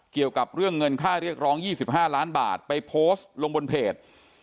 เกี่ยวกับเรื่องเงินค่าเรียกร้อง๒๕ล้านบาทไปโพสต์ลงบนเพจ